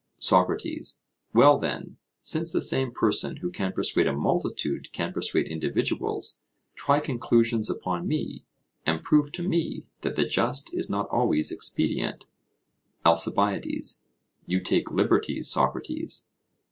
SOCRATES: Well, then, since the same person who can persuade a multitude can persuade individuals, try conclusions upon me, and prove to me that the just is not always expedient. ALCIBIADES: You take liberties, Socrates.